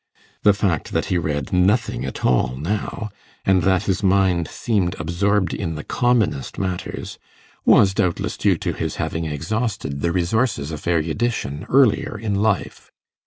The fact that he read nothing at all now, and that his mind seemed absorbed in the commonest matters, was doubtless due to his having exhausted the resources of erudition earlier in life.